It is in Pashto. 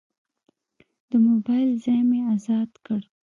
د موبایل ځای مې ازاد کړ.